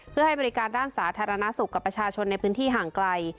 เพื่อให้บริการด้านสาธารณสุขกับประชาชนในพื้นที่ห่างไกล